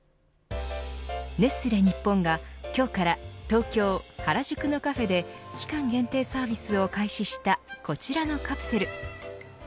ネスレ日本が今日から東京・原宿のカフェで期間限定サービスを開始したこちらのカプセル。